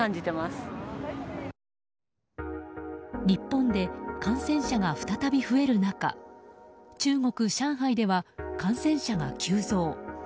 日本で感染者が再び増える中中国・上海では感染者が急増。